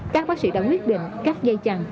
các bác sĩ đã quyết định cắt dây chằn